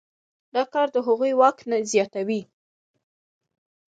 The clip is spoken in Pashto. دا کار د هغوی واک زیاتوي.